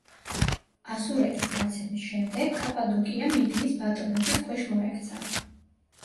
ასურეთის დაცემის შემდეგ კაპადოკია მიდიის ბატონობის ქვეშ მოექცა.